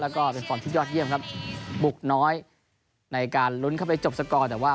แล้วก็เป็นฝ่อนที่ยอดเยี่ยมบุกน้อยในการลุ้นเข้าไปจบสกอร์